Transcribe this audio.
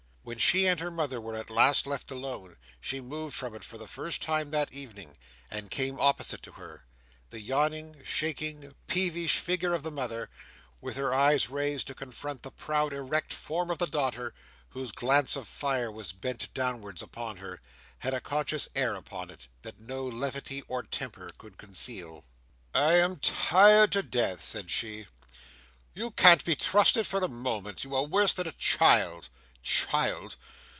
When she and her mother were at last left alone, she moved from it for the first time that evening, and came opposite to her. The yawning, shaking, peevish figure of the mother, with her eyes raised to confront the proud erect form of the daughter, whose glance of fire was bent downward upon her, had a conscious air upon it, that no levity or temper could conceal. "I am tired to death," said she. "You can't be trusted for a moment. You are worse than a child. Child!